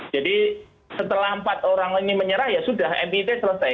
jadi setelah empat orang ini menyerah ya sudah mit selesai